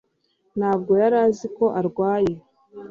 Ntabwo yari azi ko arwaye